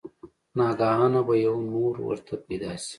ناګهانه به يو نُور ورته پېدا شي